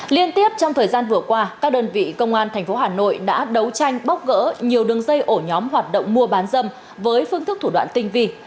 liên tiếp trong thời gian vừa qua các đơn vị công an tp hà nội đã đấu tranh bóc gỡ nhiều đường dây ổ nhóm hoạt động mua bán dâm với phương thức thủ đoạn tinh vi